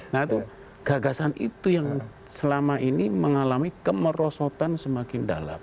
nah itu gagasan itu yang selama ini mengalami kemerosotan semakin dalam